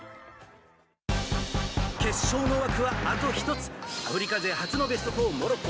決勝の枠は、あと１つアフリカ勢初のベスト４モロッコ。